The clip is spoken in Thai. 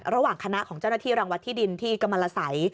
ระหว่างคณะของเจ้าหน้าที่รังวัดที่ดินที่กำลังละสัย